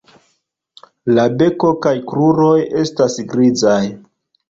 La beko kaj kruroj estas grizaj.